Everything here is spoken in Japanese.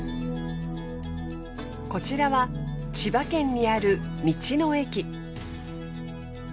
こちらは千葉県にある道の駅。